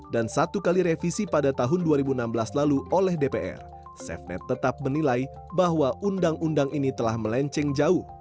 dan satu kali revisi pada tahun dua ribu enam belas lalu oleh dpr safenet tetap menilai bahwa uu ini telah melenceng jauh